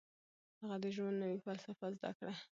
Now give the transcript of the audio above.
هغه د ژوند نوې فلسفه زده کړه.